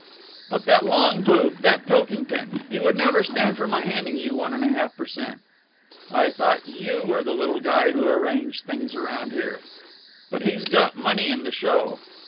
"But that long boob, that Pilkington ... he would never stand for my handing you one and a half per cent." "I thought you were the little guy who arranged things round here." "But he's got money in the show."